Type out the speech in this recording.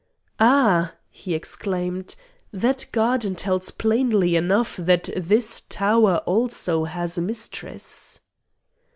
"Ah!" he exclaimed; "that garden tells plainly enough that this tower has also a mistress."